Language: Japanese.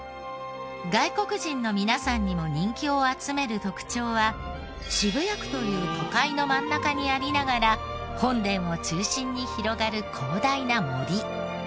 外国人の皆さんにも人気を集める特徴は渋谷区という都会の真ん中にありながら本殿を中心に広がる広大な森。